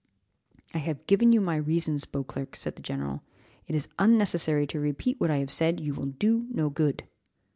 "I have given you my reasons, Beauclerc," said the general, "It is unnecessary to repeat what I have said, you will do no good."